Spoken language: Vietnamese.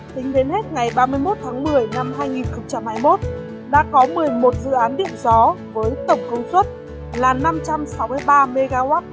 tính đến hết ngày ba mươi một tháng một mươi năm hai nghìn hai mươi một đã có một mươi một dự án điện gió với tổng công suất là năm trăm sáu mươi ba mw